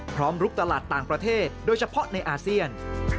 ลุกตลาดต่างประเทศโดยเฉพาะในอาเซียน